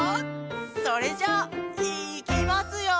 それじゃいきますよ！